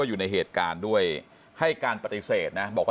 เราแทงสามเดียวกัน